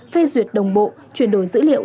phê duyệt đồng bộ chuyển đổi dữ liệu